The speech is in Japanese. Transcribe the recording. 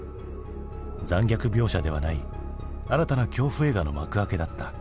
残虐描写ではない新たな恐怖映画の幕開けだった。